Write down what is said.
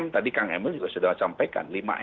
tadi kang emil sudah sampaikan lima m